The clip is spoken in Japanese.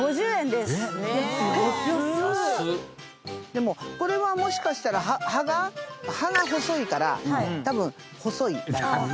でもこれはもしかしたら葉が葉が細いから多分細い大根。